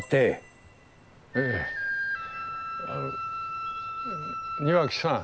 ええあの庭木さん。